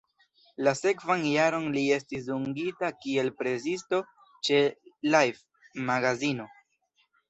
La sekvan jaron li estis dungita kiel presisto ĉe "Life"-magazino.